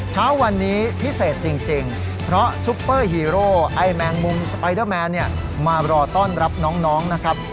เช้าวันนี้พิเศษจริงเพราะซุปเปอร์ฮีโร่ไอ้แมงมุมสไปเดอร์แมนเนี่ยมารอต้อนรับน้องนะครับ